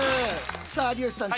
さあ有吉さん